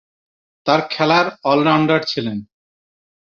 তার খেলার অলরাউন্ডার ছিলেন।